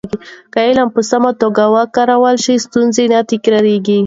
که علم په سمه توګه وکارول شي، ستونزې نه تکرارېږي.